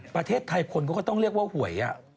ประเทศไทยคนเขาก็ต้องเรียกว่าหวย